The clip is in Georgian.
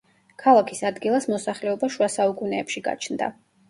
ქალაქის ადგილას მოსახლეობა შუა საუკუნეებში გაჩნდა.